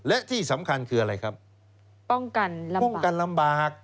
และที่สำคัญคืออะไรครับป้องกันลำบากป้องกันลำบาก